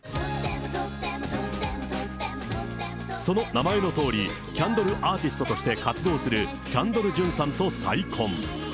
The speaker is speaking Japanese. その名前のとおり、キャンドルアーティストとして活動するキャンドル・ジュンさんと再婚。